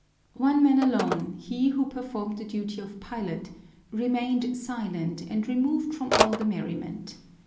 One man alone, he who performed the duty of pilot, remained silent and removed from all the merriment.